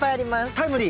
タイムリー？